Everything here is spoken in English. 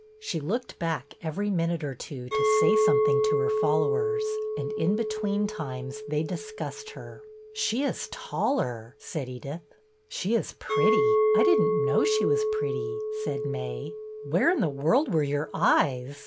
She looked back every minute or two to say something to her followers, and in between times they discussed her. " She is taller," said Edith. " She is pretty — I did n't know she was pretty," said May. " Where in the world were your eyes